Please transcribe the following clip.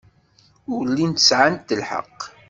Ur llint sɛant lḥeqq.